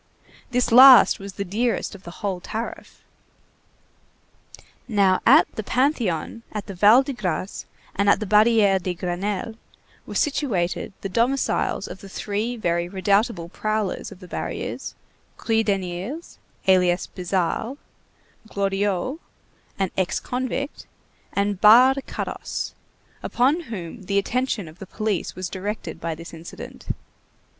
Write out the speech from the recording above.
This last was the dearest of the whole tariff. Now, at the Panthéon, at the Val de Grâce, and at the Barrière de Grenelle were situated the domiciles of the three very redoubtable prowlers of the barriers, Kruideniers, alias Bizarro, Glorieux, an ex convict, and Barre Carosse, upon whom the attention of the police was directed by this incident.